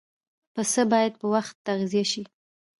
پسه باید په وخت تغذیه شي.